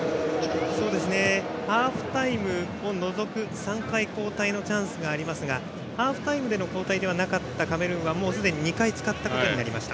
ハーフタイムを除くと３回交代のチャンスがありますがハーフタイムでの交代ではなかったカメルーンはもうすでに２回使ったことになりました。